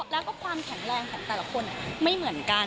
แล้วก็ความแข็งแรงของแต่ละคนไม่เหมือนกัน